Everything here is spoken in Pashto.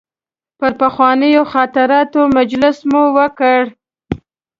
پر پخوانیو خاطراتو مجلس مو وکړ.